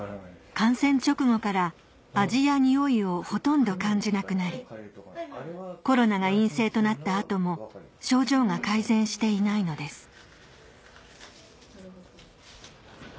感染直後から味やにおいをほとんど感じなくなりコロナが陰性となった後も症状が改善していないのです